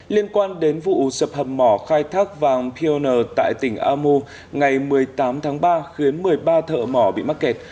liên quan đến vụ sập hầm mỏ khai thác vàng pioner tại tỉnh amu ngày một mươi tám tháng ba khiến một mươi ba thợ mỏ bị mắc kẹt